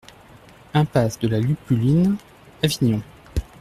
Impasse de la Lupuline, Avignon